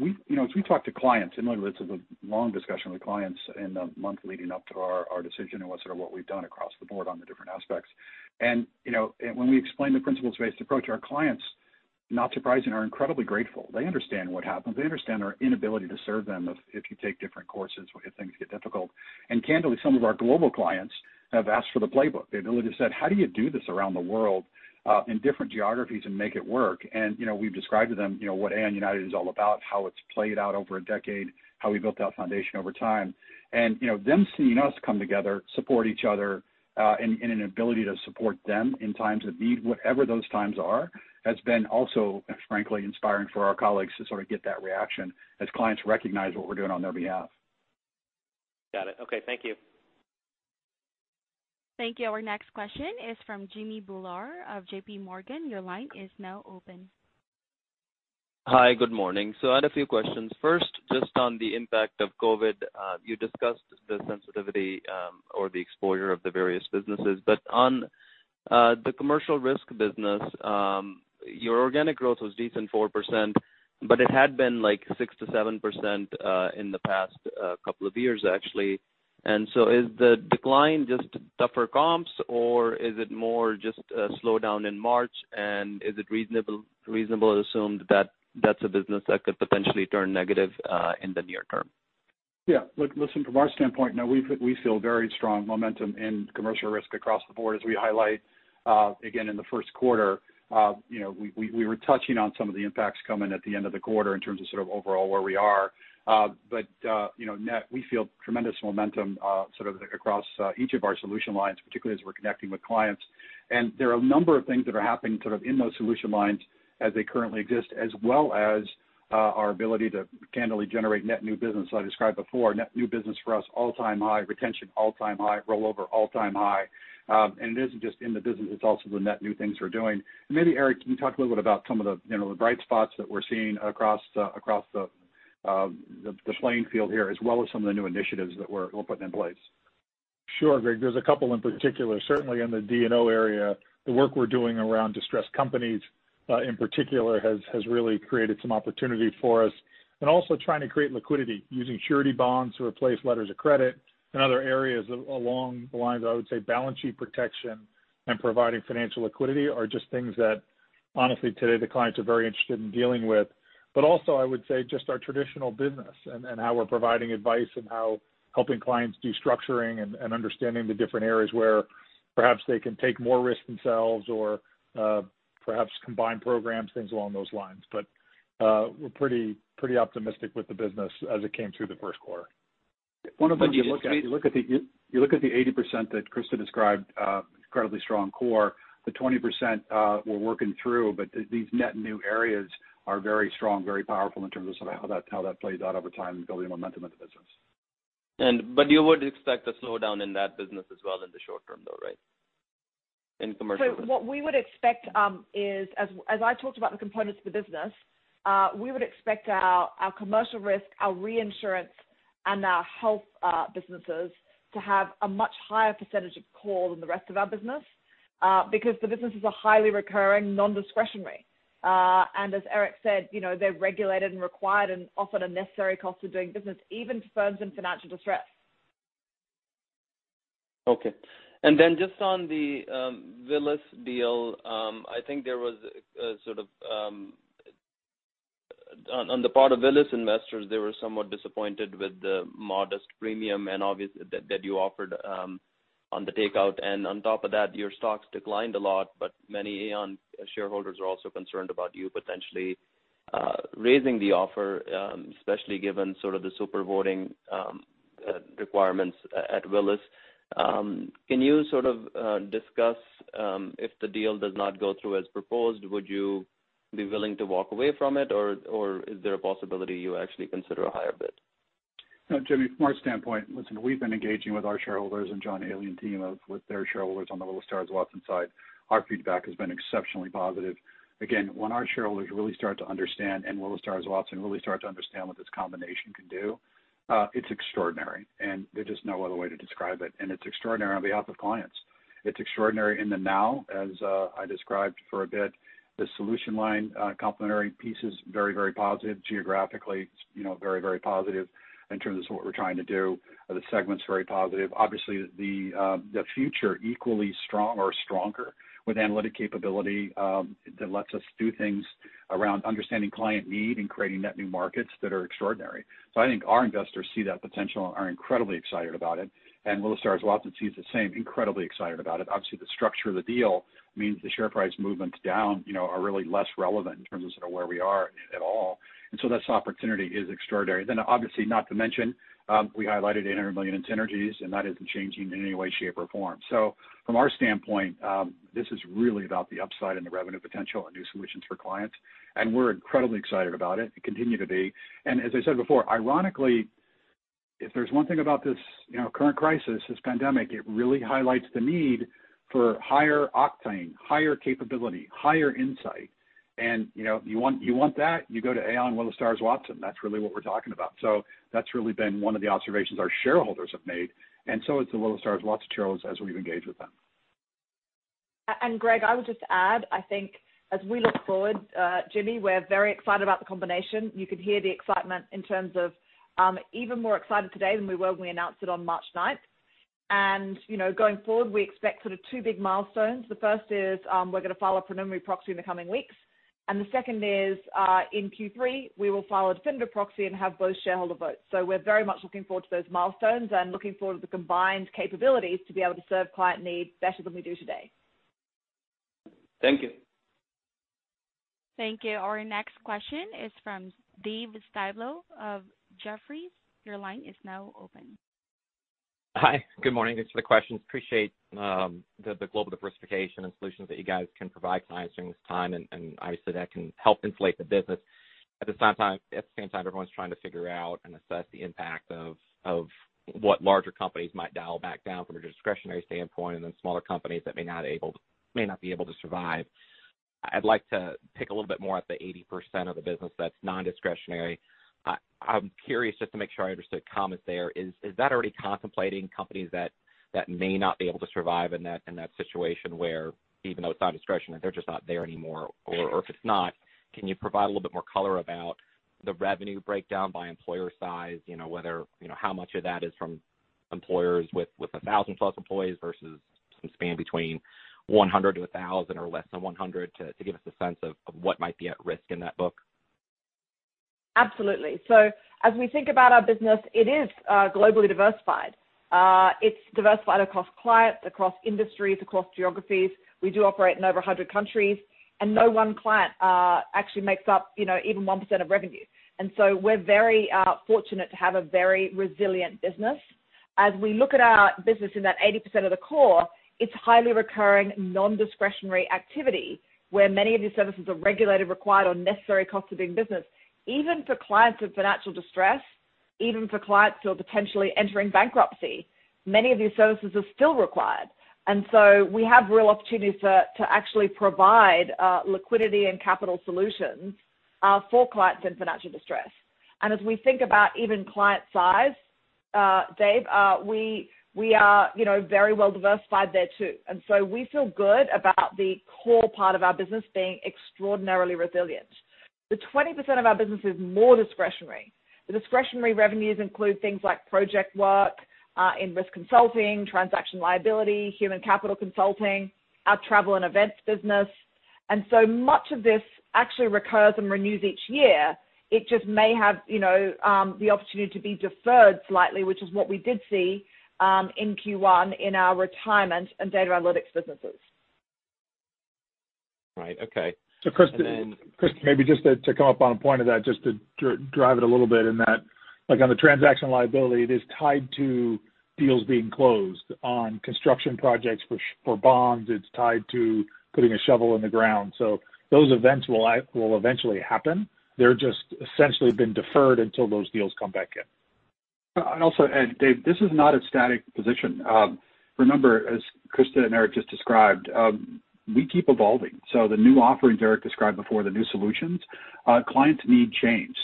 we talk to clients, and this was a long discussion with clients in the month leading up to our decision and what sort of what we've done across the board on the different aspects. When we explain the principles-based approach, our clients, not surprising, are incredibly grateful. They understand what happens. They understand our inability to serve them if you take different courses or if things get difficult. Candidly, some of our global clients have asked for the playbook. They've literally said, "How do you do this around the world, in different geographies and make it work?" We've described to them what Aon United is all about, how it's played out over a decade, how we built that foundation over time. Them seeing us come together, support each other, and an ability to support them in times of need, whatever those times are, has been also, frankly, inspiring for our colleagues to get that reaction as clients recognize what we're doing on their behalf. Got it. Okay. Thank you. Thank you. Our next question is from Jimmy Bhullar of JPMorgan. Your line is now open. Hi. Good morning. I had a few questions. First, just on the impact of COVID. You discussed the sensitivity, or the exposure of the various businesses. On the Commercial Risk business, your organic growth was decent, 4%, but it had been 6%-7% in the past couple of years, actually. Is the decline just tougher comps, or is it more just a slowdown in March? Is it reasonable to assume that that's a business that could potentially turn negative, in the near term? Yeah. Listen, from our standpoint, we feel very strong momentum in Commercial Risk across the board, as we highlight, again, in the first quarter. We were touching on some of the impacts coming at the end of the quarter in terms of overall where we are. Net, we feel tremendous momentum across each of our solution lines, particularly as we're connecting with clients. There are a number of things that are happening in those solution lines as they currently exist, as well as our ability to candidly generate net new business. I described before, net new business for us all-time high, retention all-time high, rollover all-time high. It isn't just in the business, it's also the net new things we're doing. Maybe, Eric, can you talk a little bit about some of the bright spots that we're seeing across the playing field here, as well as some of the new initiatives that we're putting in place? Sure, Greg, there's a couple in particular. Certainly in the D&O area, the work we're doing around distressed companies, in particular, has really created some opportunity for us. Also trying to create liquidity using surety bonds to replace letters of credit and other areas along the lines of, I would say, balance sheet protection and providing financial liquidity are just things that honestly, today the clients are very interested in dealing with. Also, I would say, just our traditional business and how we're providing advice and how helping clients do structuring and understanding the different areas where perhaps they can take more risks themselves or perhaps combine programs, things along those lines. We're pretty optimistic with the business as it came through the first quarter. You look at the 80% that Christa described, incredibly strong core. The 20%, we're working through. These net new areas are very strong, very powerful in terms of how that plays out over time and building momentum in the business. You would expect a slowdown in that business as well in the short term, though, right? In commercial- What we would expect is, as I talked about the components of the business, we would expect our Commercial Risk, our Reinsurance, and our Health businesses to have a much higher percentage of core than the rest of our business, because the businesses are highly recurring, non-discretionary. As Eric said, they're regulated and required and often a necessary cost of doing business, even to firms in financial distress. Okay. Just on the Willis deal, I think there was sort of on the part of Willis investors, they were somewhat disappointed with the modest premium that you offered on the takeout. Your stocks declined a lot, but many Aon shareholders are also concerned about you potentially raising the offer, especially given sort of the super voting requirements at Willis. Can you sort of discuss if the deal does not go through as proposed, would you be willing to walk away from it, or is there a possibility you actually consider a higher bid? No, Jimmy, from our standpoint, listen, we've been engaging with our shareholders and John Haley team with their shareholders on the Willis Towers Watson side. Our feedback has been exceptionally positive. Again, when our shareholders really start to understand, and Willis Towers Watson really start to understand what this combination can do, it's extraordinary, and there's just no other way to describe it. And it's extraordinary on behalf of clients. It's extraordinary in the now, as I described for a bit. The solution line complementary pieces, very, very positive. Geographically, it's very, very positive in terms of what we're trying to do. The segment's very positive. Obviously, the future equally strong or stronger with analytic capability that lets us do things around understanding client need and creating net new markets that are extraordinary. I think our investors see that potential and are incredibly excited about it, and Willis Towers Watson sees the same, incredibly excited about it. Obviously, the structure of the deal means the share price movements down are really less relevant in terms of sort of where we are at all. This opportunity is extraordinary. Obviously, not to mention, we highlighted $800 million in synergies, and that isn't changing in any way, shape, or form. From our standpoint, this is really about the upside and the revenue potential and new solutions for clients, and we're incredibly excited about it and continue to be. As I said before, ironically, if there's one thing about this current crisis, this pandemic, it really highlights the need for higher octane, higher capability, higher insight. You want that, you go to Aon Willis Towers Watson. That's really what we're talking about. That's really been one of the observations our shareholders have made, and so has the Willis Towers Watson shareholders as we've engaged with them. Greg, I would just add, I think as we look forward, Jimmy, we're very excited about the combination. You could hear the excitement in terms of even more excited today than we were when we announced it on March 9th. Going forward, we expect sort of two big milestones. The first is, we're going to file a preliminary proxy in the coming weeks, and the second is, in Q3, we will file a definitive proxy and have both shareholder votes. We're very much looking forward to those milestones and looking forward to the combined capabilities to be able to serve client needs better than we do today. Thank you. Thank you. Our next question is from David Styblo of Jefferies. Your line is now open. Hi, good morning. Thanks for the questions. Appreciate the global diversification and solutions that you guys can provide clients during this time. Obviously that can help inflate the business. At the same time, everyone's trying to figure out and assess the impact of what larger companies might dial back down from a discretionary standpoint. Then smaller companies that may not be able to survive. I'd like to pick a little bit more at the 80% of the business that's non-discretionary. I'm curious just to make sure I understood comments there. Is that already contemplating companies that may not be able to survive in that situation where even though it's not discretionary, they're just not there anymore? If it's not, can you provide a little bit more color about the revenue breakdown by employer size, how much of that is from employers with 1,000+ employees versus some span between 100-1,000 or less than 100, to give us a sense of what might be at risk in that book? Absolutely. As we think about our business, it is globally diversified. It's diversified across clients, across industries, across geographies. We do operate in over 100 countries, and no one client actually makes up even 1% of revenue. We're very fortunate to have a very resilient business. As we look at our business in that 80% of the core, it's highly recurring, non-discretionary activity, where many of these services are regulated, required, or necessary costs of doing business. Even for clients in financial distress, even for clients who are potentially entering bankruptcy, many of these services are still required. We have real opportunities to actually provide liquidity and capital solutions for clients in financial distress. As we think about even client size, Dave, we are very well diversified there too. We feel good about the core part of our business being extraordinarily resilient. The 20% of our business is more discretionary. The discretionary revenues include things like project work in risk consulting, transaction liability, human capital consulting, our travel and events business. Much of this actually recurs and renews each year. It just may have the opportunity to be deferred slightly, which is what we did see, in Q1 in our Retirement Solutions and Data & Analytic Services businesses. Right. Okay. Christa, maybe just to come up on a point of that, just to drive it a little bit in that, like on the transaction liability, it is tied to deals being closed on construction projects for bonds. It's tied to putting a shovel in the ground. Those events will eventually happen. They're just essentially been deferred until those deals come back in. Also, Dave, this is not a static position. Remember, as Christa and Eric just described, we keep evolving. The new offerings Eric described before, the new solutions, clients need change.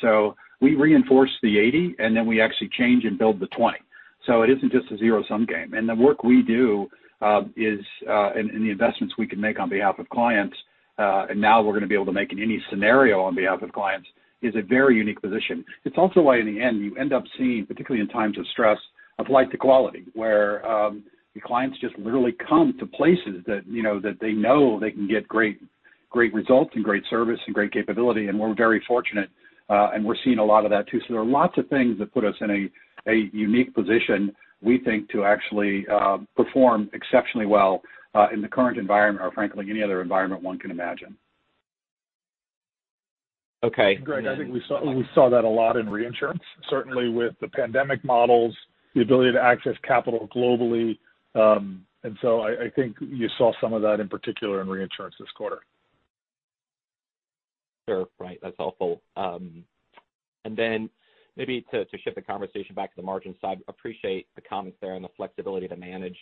We reinforce the 80, and then we actually change and build the 20. It isn't just a zero-sum game. The work we do, and the investments we can make on behalf of clients, and now we're going to be able to make in any scenario on behalf of clients, is a very unique position. It's also why in the end, you end up seeing, particularly in times of stress, a flight to quality where, the clients just literally come to places that they know they can get great results and great service and great capability. We're very fortunate, and we're seeing a lot of that too. There are lots of things that put us in a unique position, we think, to actually perform exceptionally well in the current environment or frankly, any other environment one can imagine. Okay. Greg, I think we saw that a lot in Reinsurance Solutions, certainly with the pandemic models, the ability to access capital globally. I think you saw some of that in particular in Reinsurance Solutions this quarter. Sure. Right. That's helpful. Maybe to shift the conversation back to the margin side, appreciate the comments there and the flexibility to manage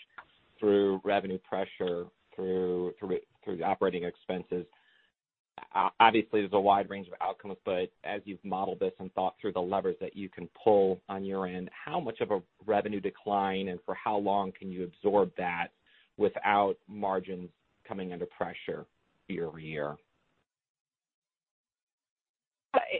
through revenue pressure, through the operating expenses. Obviously, there's a wide range of outcomes, but as you've modeled this and thought through the levers that you can pull on your end, how much of a revenue decline, and for how long can you absorb that without margins coming under pressure year-over-year?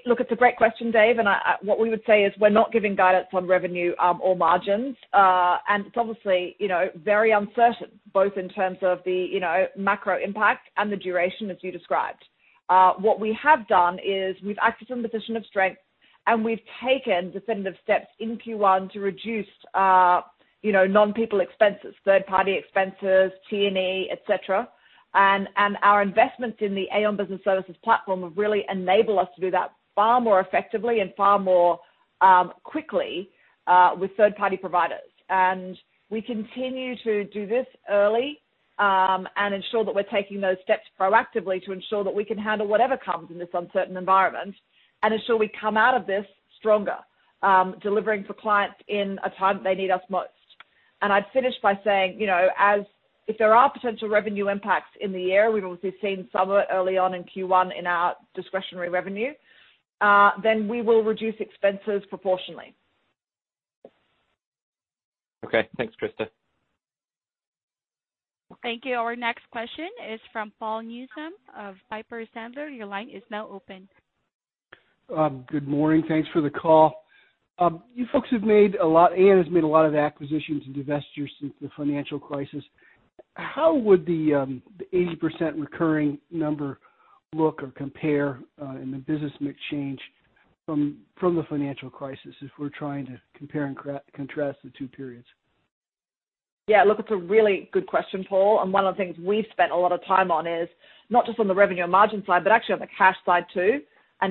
Look, it's a great question, Dave. What we would say is we're not giving guidance on revenue or margins. It's obviously very uncertain, both in terms of the macro impact and the duration as you described. What we have done is we've acted from a position of strength, and we've taken definitive steps in Q1 to reduce our non-people expenses, third-party expenses, T&E, et cetera. Our investments in the Aon Business Services platform have really enabled us to do that far more effectively and far more quickly with third-party providers. We continue to do this early, and ensure that we're taking those steps proactively to ensure that we can handle whatever comes in this uncertain environment and ensure we come out of this stronger, delivering for clients in a time that they need us most. I'd finish by saying, if there are potential revenue impacts in the year, we've obviously seen some of it early on in Q1 in our discretionary revenue, then we will reduce expenses proportionally. Okay. Thanks, Christa. Thank you. Our next question is from Paul Newsome of Piper Sandler. Your line is now open. Good morning. Thanks for the call. Aon has made a lot of acquisitions and divestitures since the financial crisis. How would the 80% recurring number look or compare in the business mix change from the financial crisis, if we're trying to compare and contrast the two periods? It's a really good question, Paul, one of the things we've spent a lot of time on is not just on the revenue and margin side, but actually on the cash side, too,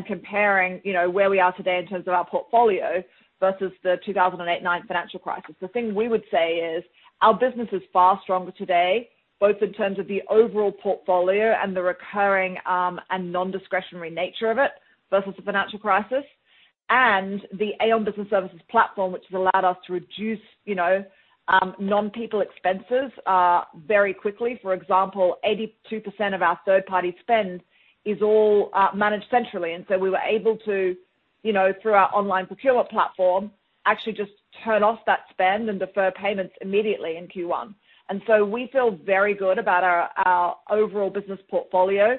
comparing where we are today in terms of our portfolio versus the 2008-2009 financial crisis. The thing we would say is our business is far stronger today, both in terms of the overall portfolio and the recurring and non-discretionary nature of it versus the financial crisis, the Aon Business Services platform, which has allowed us to reduce non-people expenses very quickly. For example, 82% of our third-party spend is all managed centrally, we were able to, through our online procurement platform, actually just turn off that spend and defer payments immediately in Q1. We feel very good about our overall business portfolio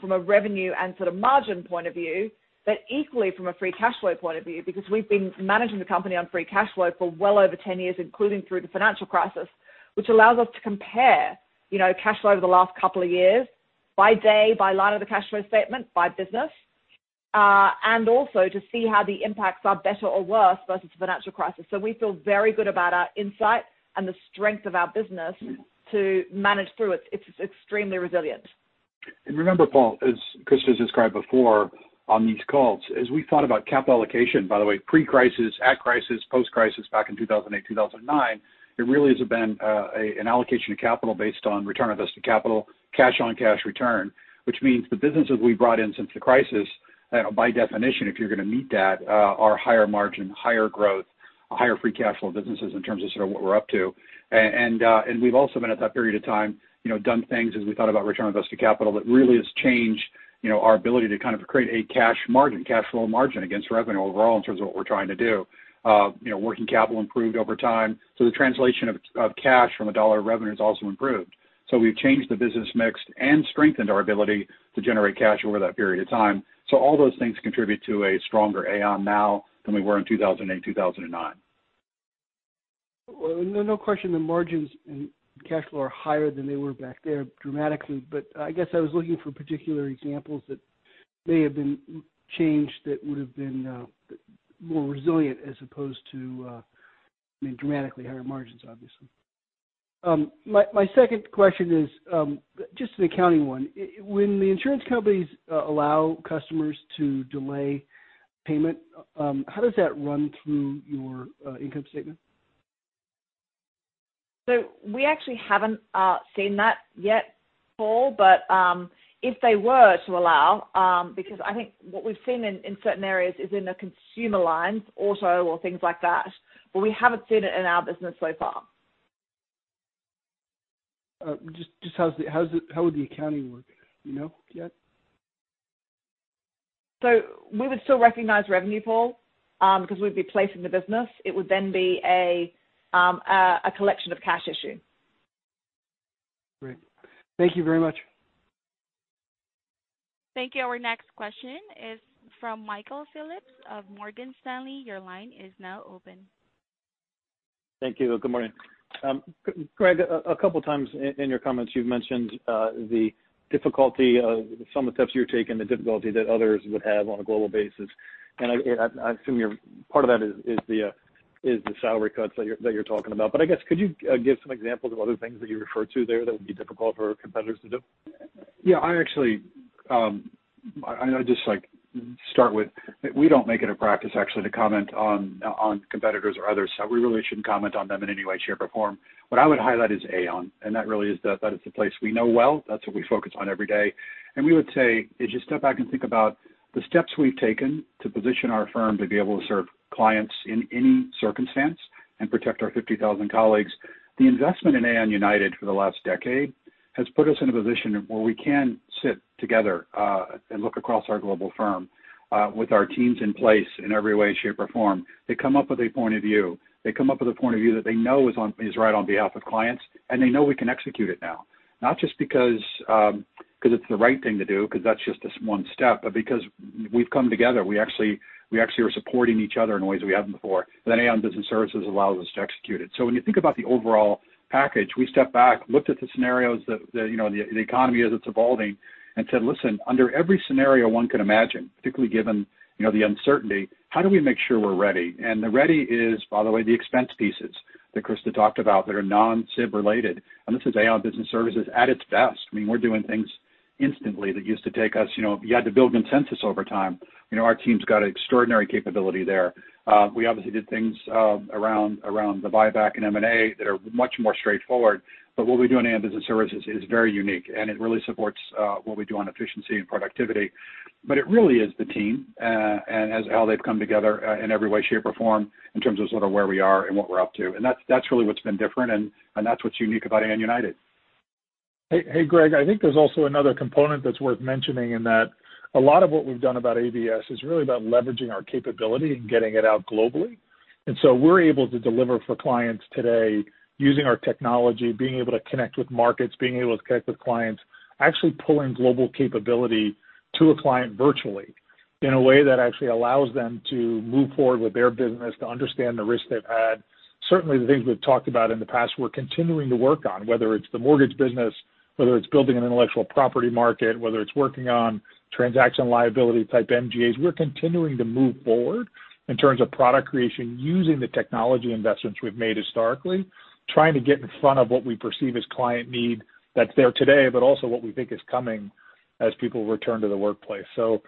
from a revenue and margin point of view, but equally from a free cash flow point of view, because we've been managing the company on free cash flow for well over 10 years, including through the financial crisis, which allows us to compare cash flow over the last couple of years by day, by line of the cash flow statement, by business, and also to see how the impacts are better or worse versus the financial crisis. We feel very good about our insight and the strength of our business to manage through it. It's extremely resilient. Remember, Paul, as Christa described before on these calls, as we thought about capital allocation, by the way, pre-crisis, at crisis, post-crisis, back in 2008-2009, it really has been an allocation of capital based on return on invested capital, cash on cash return, which means the businesses we brought in since the crisis, by definition, if you're going to meet that, are higher margin, higher growth, higher free cash flow businesses in terms of what we're up to. We've also been at that period of time, done things as we thought about return on invested capital that really has changed our ability to create a cash margin, cash flow margin against revenue overall in terms of what we're trying to do. Working capital improved over time. The translation of cash from $1 of revenue is also improved. We've changed the business mix and strengthened our ability to generate cash over that period of time. All those things contribute to a stronger Aon now than we were in 2008-2009. No question the margins and cash flow are higher than they were back there dramatically. I guess I was looking for particular examples that may have been changed that would have been more resilient as opposed to dramatically higher margins, obviously. My second question is just an accounting one. When the insurance companies allow customers to delay payment, how does that run through your income statement? We actually haven't seen that yet, Paul. If they were to allow, because I think what we've seen in certain areas is in the consumer lines, auto or things like that, but we haven't seen it in our business so far. Just how would the accounting work? Do you know yet? We would still recognize revenue, Paul, because we'd be placing the business. It would then be a collection of cash issue. Great. Thank you very much. Thank you. Our next question is from Michael Phillips of Morgan Stanley. Your line is now open. Thank you. Good morning. Greg, a couple times in your comments, you've mentioned the difficulty of some of the steps you're taking, the difficulty that others would have on a global basis. I assume part of that is the salary cuts that you're talking about. I guess could you give some examples of other things that you refer to there that would be difficult for competitors to do? I actually, I just like to start with, we don't make it a practice actually to comment on competitors or others. We really shouldn't comment on them in any way, shape, or form. What I would highlight is Aon, and that really is that it's a place we know well. That's what we focus on every day. We would say, if you step back and think about the steps we've taken to position our firm to be able to serve clients in any circumstance and protect our 50,000 colleagues. The investment in Aon United for the last decade has put us in a position where we can sit together and look across our global firm with our teams in place in every way, shape, or form to come up with a point of view. They come up with a point of view that they know is right on behalf of clients, and they know we can execute it now. Not just because it's the right thing to do, because that's just this one step, but because we've come together. We actually are supporting each other in ways we haven't before. Aon Business Services allows us to execute it. When you think about the overall package, we stepped back, looked at the scenarios that the economy as it's evolving and said, "Listen, under every scenario one can imagine, particularly given the uncertainty, how do we make sure we're ready?" The ready is, by the way, the expense pieces that Christa talked about that are non-SIB related. This is Aon Business Services at its best. We're doing things instantly that used to take us, you had to build consensus over time. Our team's got extraordinary capability there. We obviously did things around the buyback and M&A that are much more straightforward. What we do in Aon Business Services is very unique, and it really supports what we do on efficiency and productivity. It really is the team and how they've come together in every way, shape, or form in terms of where we are and what we're up to. That's really what's been different, and that's what's unique about Aon United. Hey, Greg. I think there's also another component that's worth mentioning in that a lot of what we've done about ABS is really about leveraging our capability and getting it out globally. We're able to deliver for clients today using our technology, being able to connect with markets, being able to connect with clients, actually pulling global capability to a client virtually in a way that actually allows them to move forward with their business to understand the risk they've had. Certainly, the things we've talked about in the past, we're continuing to work on, whether it's the mortgage business, whether it's building an intellectual property market, whether it's working on transaction liability type MGAs. We're continuing to move forward in terms of product creation using the technology investments we've made historically, trying to get in front of what we perceive as client need that's there today, but also what we think is coming as people return to the workplace. It's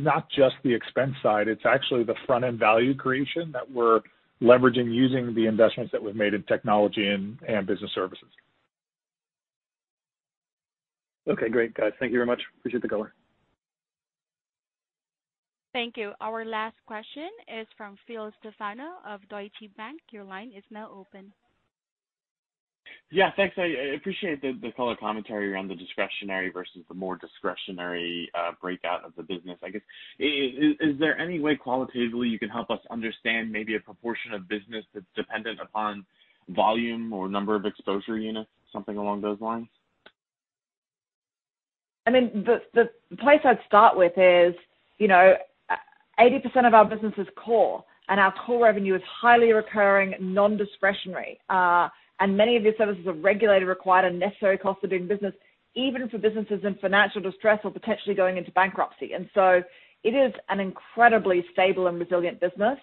not just the expense side, it's actually the front-end value creation that we're leveraging using the investments that we've made in technology and business services. Okay, great, guys. Thank you very much. Appreciate the color. Thank you. Our last question is from Phil Stefano of Deutsche Bank. Your line is now open. Yeah, thanks. I appreciate the color commentary around the discretionary versus the more discretionary breakout of the business, I guess. Is there any way qualitatively you can help us understand maybe a proportion of business that's dependent upon volume or number of exposure units, something along those lines? I mean, the place I'd start with is 80% of our business is core, and our core revenue is highly recurring, non-discretionary. Many of these services are regulated, required, and necessary costs of doing business, even for businesses in financial distress or potentially going into bankruptcy. It's an incredibly stable and resilient business.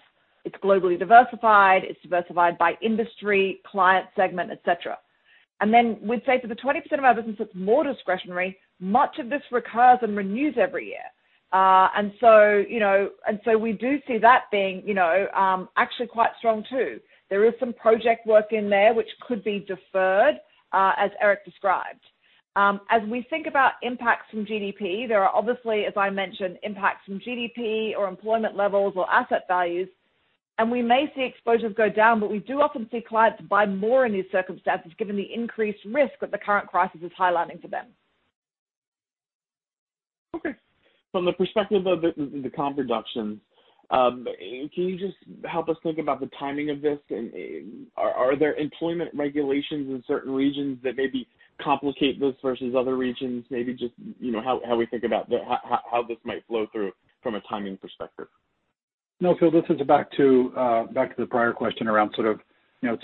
It's globally diversified. It's diversified by industry, client segment, et cetera. We'd say for the 20% of our business that's more discretionary, much of this recurs and renews every year. We do see that being actually quite strong too. There is some project work in there which could be deferred, as Eric Andersen described. As we think about impacts from GDP, there are obviously, as I mentioned, impacts from GDP or employment levels or asset values, and we may see exposures go down, but we do often see clients buy more in these circumstances given the increased risk that the current crisis is highlighting for them. Okay. From the perspective of the comp reductions, can you just help us think about the timing of this? Are there employment regulations in certain regions that complicate this versus other regions? Just how we think about how this might flow through from a timing perspective. No, Phil, this is back to the prior question around sort of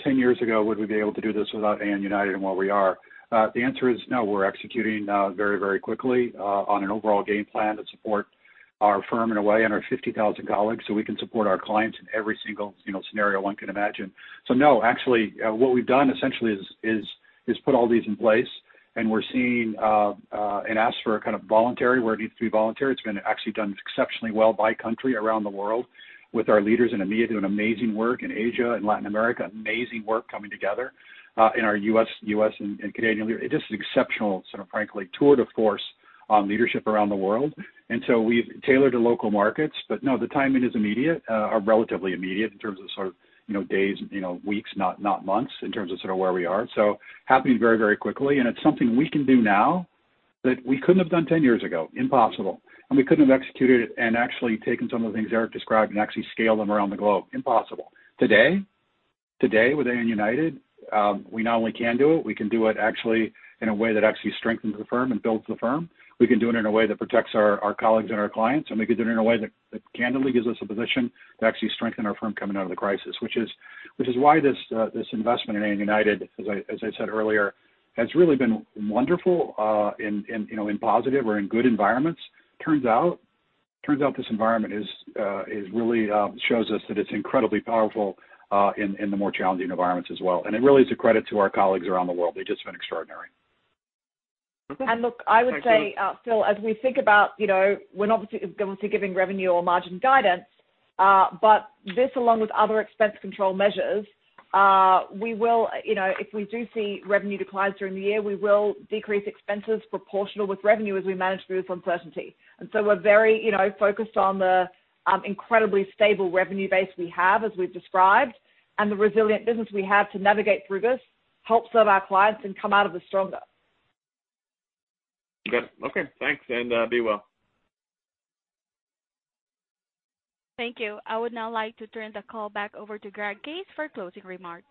10 years ago, would we be able to do this without Aon United and where we are? The answer is no. We're executing very quickly on an overall game plan to support our firm in a way and our 50,000 colleagues, so we can support our clients in every single scenario one can imagine. No, actually, what we've done essentially is put all these in place, and we're seeing an ask for a kind of voluntary where it needs to be voluntary. It's been actually done exceptionally well by country around the world with our leaders in EMEA doing amazing work in Asia and Latin America, amazing work coming together in our U.S. and Canadian leader. It is just an exceptional, sort of frankly, tour de force leadership around the world. We've tailored to local markets. No, the timing is immediate, or relatively immediate in terms of days, weeks, not months in terms of sort of where we are. Happening very quickly, and it's something we can do now that we couldn't have done 10 years ago. Impossible. We couldn't have executed it and actually taken some of the things Eric described and actually scaled them around the globe. Impossible. Today, with Aon United, we not only can do it, we can do it actually in a way that actually strengthens the firm and builds the firm. We can do it in a way that protects our colleagues and our clients, and we can do it in a way that candidly gives us a position to actually strengthen our firm coming out of the crisis. Which is why this investment in Aon United, as I said earlier, has really been wonderful in positive or in good environments. Turns out this environment really shows us that it's incredibly powerful in the more challenging environments as well. It really is a credit to our colleagues around the world. They've just been extraordinary. Okay. Thank you. Look, I would say, Phil, as we think about, we're not obviously going to be giving revenue or margin guidance. This, along with other expense control measures, if we do see revenue declines during the year, we will decrease expenses proportional with revenue as we manage through this uncertainty. We're very focused on the incredibly stable revenue base we have, as we've described, and the resilient business we have to navigate through this, help serve our clients, and come out of this stronger. Got it. Okay, thanks, and be well. Thank you. I would now like to turn the call back over to Greg Case for closing remarks.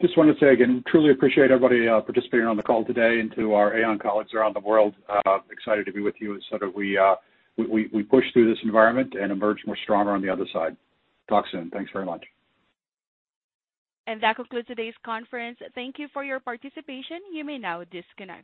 Just wanted to say again, truly appreciate everybody participating on the call today and to our Aon colleagues around the world, excited to be with you as sort of we push through this environment and emerge more stronger on the other side. Talk soon. Thanks very much. That concludes today's conference. Thank you for your participation. You may now disconnect.